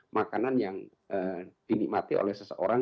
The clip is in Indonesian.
makanan yang dinikmati oleh seseorang